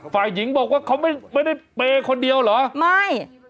ฝ่ายหญิงบอกว่าเขาไม่ได้เปย์คนเดียวเหรอไม่